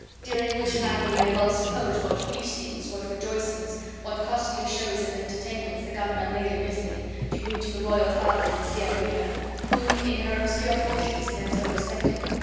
During which time we may well suppose what feastings, what rejoicings, what costly shows and entertainments the governor made in Mitylene to greet the royal father of his dear Marina, whom in her obscure fortunes he had so respected.